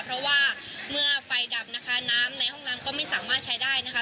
เพราะว่าเมื่อไฟดับนะคะน้ำในห้องน้ำก็ไม่สามารถใช้ได้นะคะ